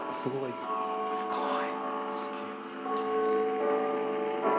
すごい。